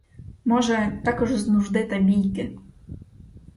Може, також з нужди та бійки.